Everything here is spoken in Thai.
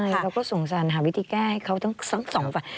ใช่เขาก็สงสัญหาวิธีแก้ให้เขาต้องส่องฝั่ง